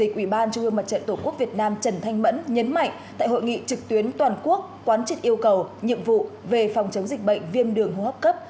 một mươi năm quán chức yêu cầu nhiệm vụ về phòng chống dịch bệnh viêm đường hô hấp cấp